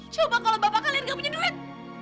coba kalau bapak kalian gak punya duit